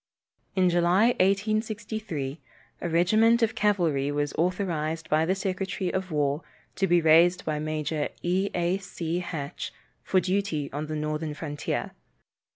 In July, 1863, a regiment of cavalry was authorized by the secretary of war to be raised by Major E. A. C. Hatch, for duty on the northern frontier.